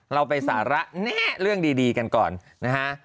เราไปสาระแน่เรื่องดีกันก่อนนะฮะ